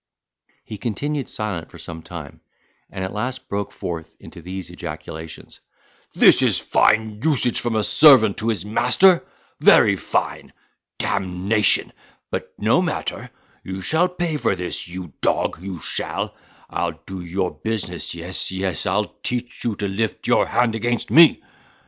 He continued silent for some time, and at last broke forth into these ejaculations: "This is fine usage from a servant to his master—very fine! damnation! but no matter, you shall pay for this, you dog, you shall; I'll do your business—yes, yes, I'll teach you to lift your hand against me."